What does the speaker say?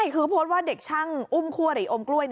คือโพสต์ว่าเด็กชั่งอุ้มครัวเหละอมกล้วย